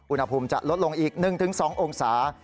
อุณหภูมิจะลดลงอีก๑๒องศา